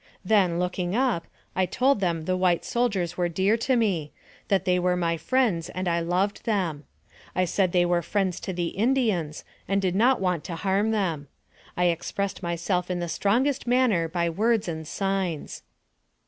Then, looking up, I told them the white soldiers were dear to me; that they were my friends, and I loved them. I said they were friends to the Indians, and did not want to harm them. I expressed myself in the strongest manner by words and signs.